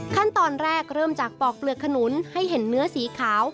ขั้นตอนแรกเริ่มจากปอกเปลือกขนุนให้เห็นเนื้อสีขาว